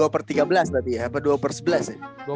dua per tiga belas tadi ya apa dua per sebelas ya